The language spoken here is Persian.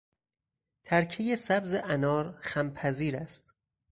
ترکهی سبز انار خمپذیر است.